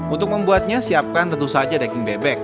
untuk membuatnya siapkan tentu saja daging bebek